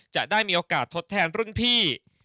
จะได้มีโอกาสทดแทนรุ่นพี่